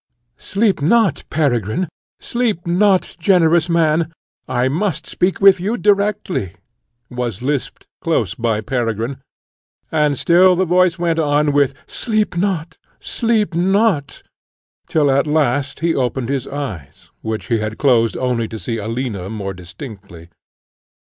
"Sleep not, Peregrine; sleep not, generous man: I must speak with you directly," was lisped close by Peregrine, and still the voice went on with "sleep not, sleep not," till at last he opened his eyes, which he had closed only to see Alina more distinctly.